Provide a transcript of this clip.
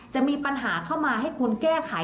จะมีปัญหาเข้ามาให้คุณแก้ไข